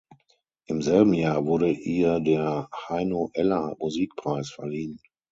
Im selben Jahr wurde ihr der Heino-Eller-Musikpreis verliehen.